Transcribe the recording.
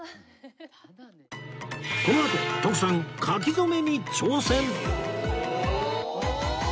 このあと徳さん書き初めに挑戦！